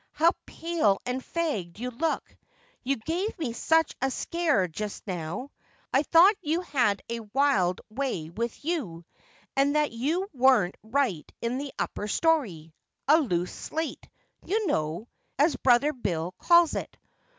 How pale and fagged yon look ! You gave me such a scare just now. I thought you had a wild way with you, and that you weren't right in the upper storv, — a loose slate, you know, as brother Bill calls it.'